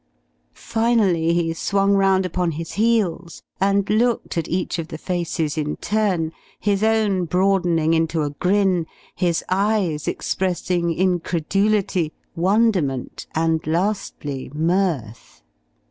Finally he swung round upon his heels and looked at each of the faces in turn, his own broadening into a grin, his eyes expressing incredulity, wonderment, and lastly mirth.